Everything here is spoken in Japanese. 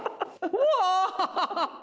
うわ！